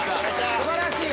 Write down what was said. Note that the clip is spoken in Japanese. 素晴らしい！